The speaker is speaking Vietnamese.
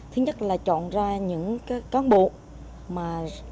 thứ nhất là chọn ra những cán bộ mà